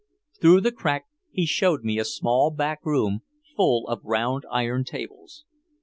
Through the crack he showed me a small back room full of round iron tables.